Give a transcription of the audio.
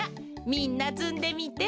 みんなつんでみて。